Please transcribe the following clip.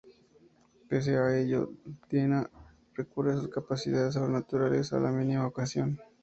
Pese a ello, Dina recurre a sus capacidades sobrenaturales a la mínima ocasión.